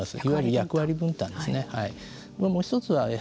役割分担ですね。